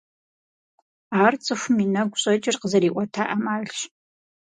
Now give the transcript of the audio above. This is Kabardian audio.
Ар цӀыхум и нэгу щӀэкӀыр къызэриӀуэта Ӏэмалщ.